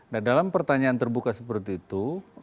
nah dalam pertanyaan terbuka seperti itu